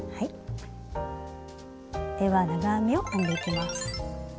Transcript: では長編みを編んでいきます。